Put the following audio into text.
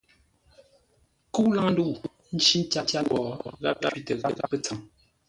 Nkə́u laŋə́-ndə̂u ə́ ncí tyátə́ wó, gháp cwítə gháp pə́tsəm.